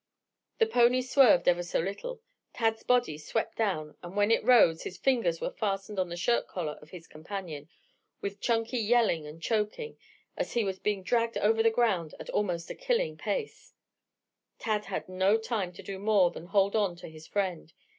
The pony swerved ever so little, Tad's body swept down, and when it rose, his fingers were fastened in the shirt collar of his companion, with Chunky yelling and choking, as he was being dragged over the ground at almost a killing pace. Tad had no time to do more than hold on to his friend.